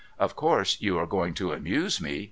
' Of course, you are going to amuse me